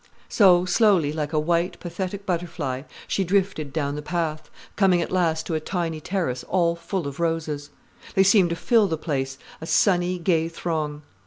So, slowly, like a white, pathetic butterfly, she drifted down the path, coming at last to a tiny terrace all full of roses. They seemed to fill the place, a sunny, gay throng.